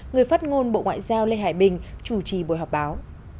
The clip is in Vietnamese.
người phát ngôn bộ ngoại giao lê hải bình chủ trì buổi họp báo